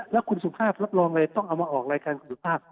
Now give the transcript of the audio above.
แล้วคุณสุภาพรับรองอะไรต้องเอามาออกรายการคุณสุภาพ